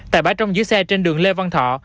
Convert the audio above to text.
tại bãi trong giữ xe trên đường lê văn thọ